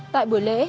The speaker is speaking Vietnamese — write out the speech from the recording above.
tại buổi lễ